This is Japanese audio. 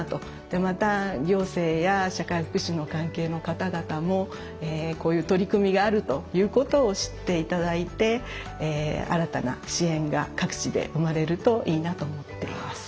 でまた行政や社会福祉の関係の方々もこういう取り組みがあるということを知って頂いて新たな支援が各地で生まれるといいなと思っています。